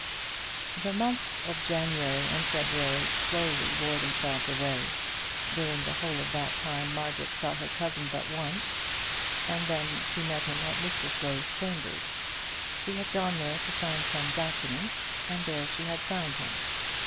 The months of January and February slowly wore themselves away, and during the whole of that time Margaret saw her cousin but once, and then she met him at Mr Slow's chambers. She had gone there to sign some document, and there she had found him.